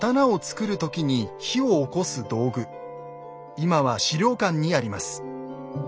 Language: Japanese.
今は資料館にあります。